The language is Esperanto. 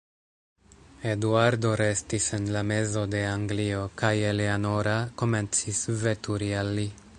Eduardo restis en la mezo de Anglio, kaj Eleanora komencis veturi al li.